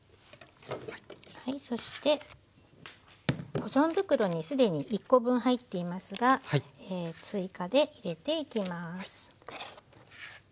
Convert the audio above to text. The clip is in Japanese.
そして保存袋に既に１コ分入っていますが追加で入れていきます。